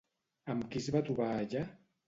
Amb qui es va trobar allà?